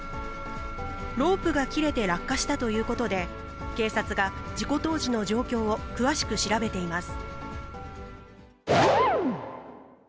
ロープが切れて落下したということで、警察が事故当時の状況を詳しく調べています。